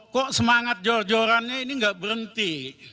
kok semangat jor jorannya ini nggak berhenti